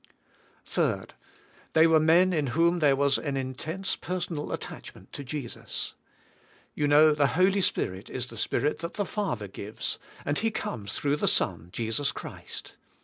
3. T/iey were men in whom there was an intense ■personal attachment to Jesus. You know, the Holy Spirit is the Spirit that the Father g ives, and He comes throug h the Son, Jesus Christ.